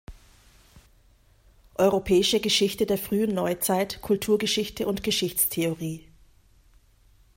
Europäische Geschichte der Frühen Neuzeit, Kulturgeschichte und Geschichtstheorie.